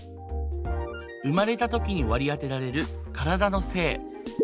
生まれた時に割り当てられる体の性。